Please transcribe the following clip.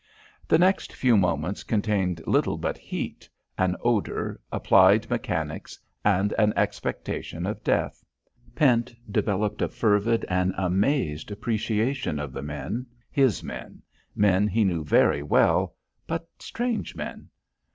The next few moments contained little but heat, an odour, applied mechanics and an expectation of death. Pent developed a fervid and amazed appreciation of the men, his men, men he knew very well, but strange men.